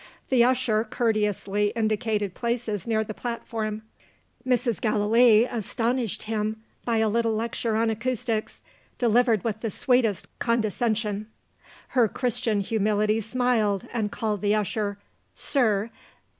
The usher courteously indicated places near the platform. Mrs. Galilee astonished him by a little lecture on acoustics, delivered with the sweetest condescension. Her Christian humility smiled, and call the usher, Sir.